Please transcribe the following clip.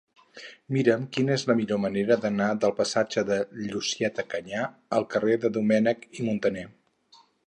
Mira'm quina és la millor manera d'anar del passatge de Llucieta Canyà al carrer de Domènech i Montaner.